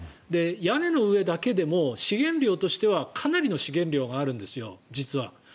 屋根の上だけでも資源量としてはかなりの資源量があるんですよ実は。